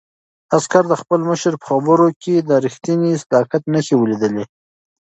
عسکر د خپل مشر په خبرو کې د رښتیني صداقت نښې ولیدلې.